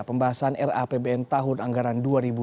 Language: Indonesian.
pembahasan rapbn tahun anggaran dua ribu sembilan belas